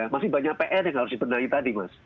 masih banyak pr yang harus dibenahi tadi mas